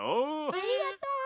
ありがとう！